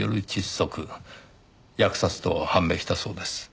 扼殺と判明したそうです。